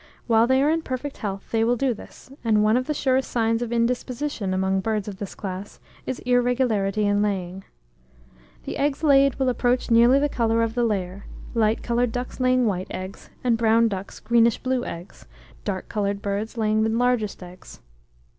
While they are in perfect health, they will do this; and one of the surest signs of indisposition, among birds of this class, is irregularity in laying. The eggs laid will approach nearly the colour of the layer, light coloured ducks laying white eggs, and brown ducks greenish blue eggs; dark coloured birds laying the largest eggs.